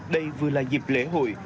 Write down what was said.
đây vừa là dịp lễ hội